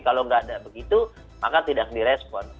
kalau nggak ada begitu maka tidak direspon